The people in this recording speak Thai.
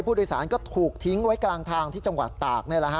ผู้โดยสารก็ถูกทิ้งไว้กลางทางที่จังหวัดตาก